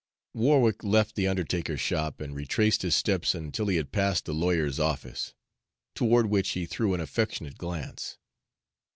Warwick left the undertaker's shop and retraced his steps until he had passed the lawyer's office, toward which he threw an affectionate glance.